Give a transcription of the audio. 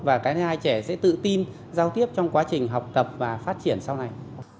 và cái thứ hai trẻ sẽ tự tin giao tiếp trong quá trình học tập và phát triển sau này